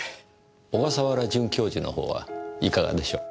小笠原准教授のほうはいかがでしょう？